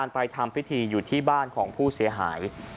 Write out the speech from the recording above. ไปทำพิธีอยู่ที่บ้านของผู้เสียหาย